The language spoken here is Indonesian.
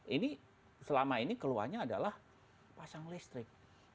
ini selama ini keluhannya adalah pasang listrik